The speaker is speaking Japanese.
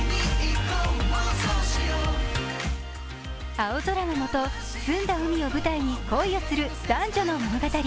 青空の下、澄んだ海を舞台に恋をする男女の物語。